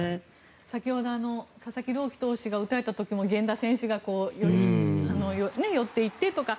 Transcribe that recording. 先ほど佐々木朗希投手が打たれた時も源田選手が寄っていってとか。